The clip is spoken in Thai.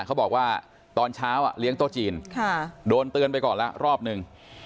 เขาบอกว่าตอนเช้าเลี้ยงโต๊ะจีนโดนเตือนไปก่อนแล้วรอบหนึ่ง